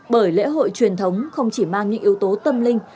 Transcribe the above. bởi lễ hội truyền thống không chỉ mang những yếu tố tâm linh